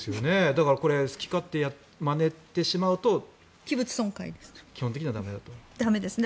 だからこれ好き勝手まねてしまうと駄目なんですね。